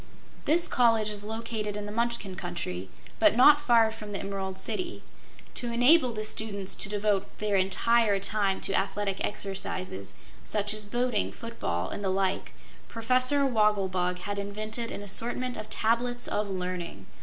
This College is located in the Munchkin Country, but not far from the Emerald City. To enable the students to devote their entire time to athletic exercises, such as boating, foot ball, and the like, Professor Wogglebug had invented an assortment of Tablets of Learning.